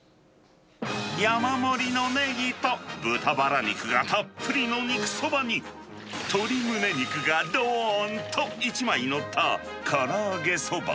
山盛りのネギと豚バラ肉がたっぷりの肉そばに、鶏ムネ肉がどーんと１枚載ったから揚げそば。